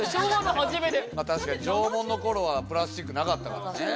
確かに縄文の頃はプラスチックなかったからね。